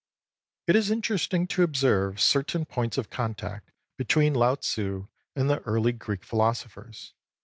It is interesting to observe certain points of contact between Lao Tzu and the early Greek philosophers.